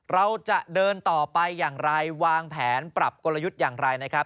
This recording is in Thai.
เราจะเดินต่อไปอย่างไรวางแผนปรับกลยุทธ์อย่างไรนะครับ